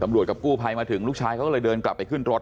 กับกู้ภัยมาถึงลูกชายเขาก็เลยเดินกลับไปขึ้นรถ